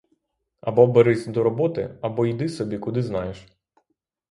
Або берись до роботи, або йди собі куди знаєш!